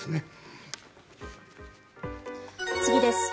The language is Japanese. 次です。